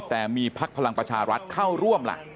แต่มีพักพลังประชารัฐเข้าร่วมล่ะ